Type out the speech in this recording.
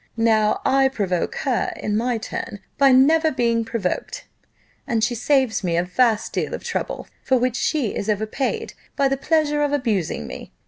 Now I provoke her in my turn, by never being provoked, and she saves me a vast deal of trouble, for which she is overpaid by the pleasure of abusing me.